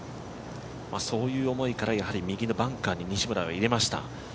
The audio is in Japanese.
そういう思いから、右のバンカーに西村は入れました。